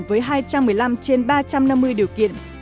với hai trăm một mươi năm trên ba trăm năm mươi điều kiện